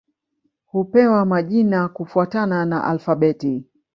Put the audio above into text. Hupewa majina kufuatana na alfabeti.